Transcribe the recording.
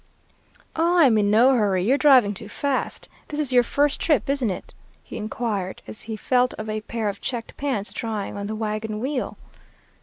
"'Oh, I'm in no hurry. You're driving too fast. This is your first trip, isn't it?' he inquired, as he felt of a pair of checked pants drying on the wagon wheel.